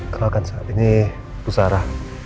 kenapa kan zahra ini bu zahra